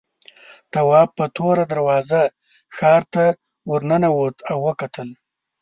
تواب په توره دروازه ښار ته ورننوت او وکتل.